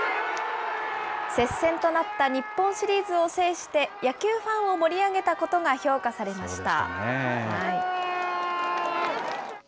接戦となった日本シリーズを制して、野球ファンを盛り上げたことが評価されました。